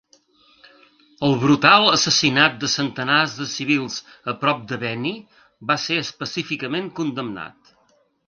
El brutal assassinat de centenars de civils a prop de Beni va ser específicament condemnat.